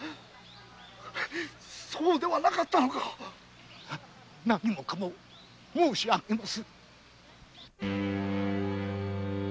そうではなかったのか何もかも申しあげます。